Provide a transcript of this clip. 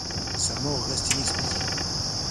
Sa mort reste inexpliquée.